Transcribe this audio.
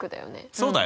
そうだよ！